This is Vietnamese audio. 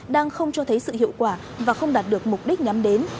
đang không cho thấy sự hiệu quả và không đạt được mục đích nhắm đến